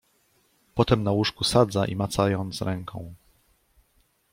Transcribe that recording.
Potem na łóżku sadza i macając ręką